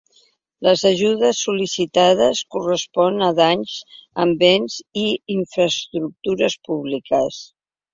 Les ajudes sol·licitades corresponen a danys en béns i infraestructures públiques.